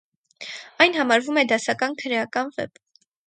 Այն համարվում է դասական քրեական վեպ։